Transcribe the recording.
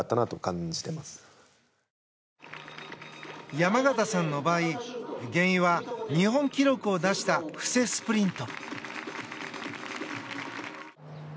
山縣さんの場合、原因は日本記録を出した布勢スプリント。